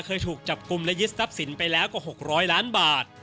เคยถูกจับกลุ่มและยึดทรัพย์สินไปแล้วกว่า๖๐๐ล้านบาท